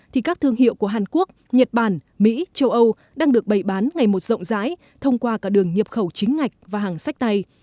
thì các thương hiệu của hàn quốc nhật bản mỹ châu âu đang được bày bán ngày một rộng rãi thông qua cả đường nhập khẩu chính ngạch và hàng sách tay